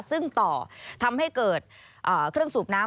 สวัสดีค่ะสวัสดีค่ะ